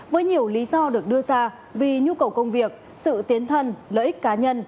với nhiều lý do được đưa ra vì nhu cầu công việc sự tiến thân lợi ích cá nhân